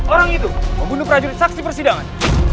orang itu membunuh prajurit saksi persidangan